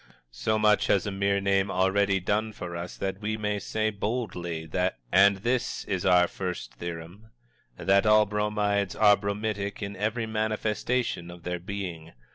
So much has a mere name already done for us that we may say, boldly, and this is our First Theorem: that all Bromides are bromidic in every manifestation of their being.